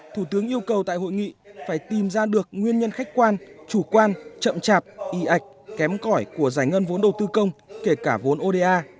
thủ tướng yêu cầu tại hội nghị phải tìm ra được nguyên nhân khách quan chủ quan chậm chạp y ạch kém cõi của giải ngân vốn đầu tư công kể cả vốn oda